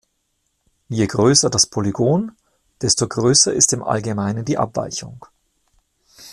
Je größer das Polygon, desto größer ist im Allgemeinen die Abweichung.